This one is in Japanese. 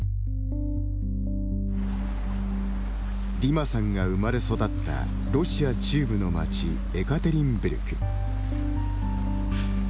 ディマさんが生まれ育ったロシア中部の街エカテリンブルク。